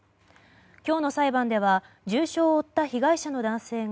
今日の裁判では重傷を負った被害者の男性が